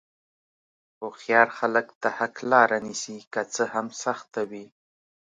هوښیار خلک د حق لاره نیسي، که څه هم سخته وي.